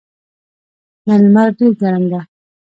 نن لمر ډېر ګرم ده.